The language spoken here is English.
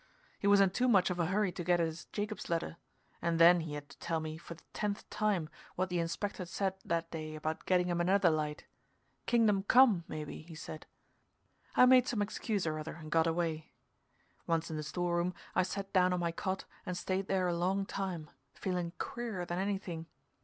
He was in too much of a hurry to get at his Jacob's ladder, and then he had to tell me for the tenth time what the Inspector'd said that day about getting him another light Kingdom Come, maybe, he said. I made some excuse or other and got away. Once in the store room, I sat down on my cot and stayed there a long time, feeling queerer than anything.